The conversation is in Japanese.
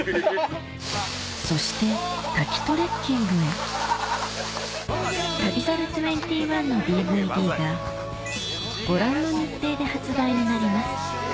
そして滝トレッキングへ『旅猿２１』のＤＶＤがご覧の日程で発売になります